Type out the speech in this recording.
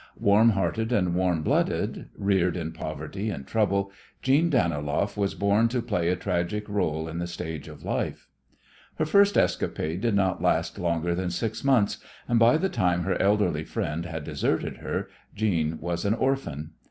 Warm hearted and warm blooded, reared in poverty and trouble, Jeanne Daniloff was born to play a tragic rôle on the stage of life. Her first escapade did not last longer than six months and by the time her elderly friend had deserted her Jeanne was an orphan.